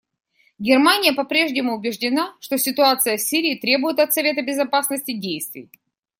Германия по-прежнему убеждена, что ситуация в Сирии требует от Совета Безопасности действий.